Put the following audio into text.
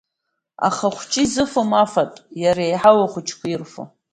Аха ахәыҷы изыфом афатә, иара еиҳау ахәыҷқәа ирфо.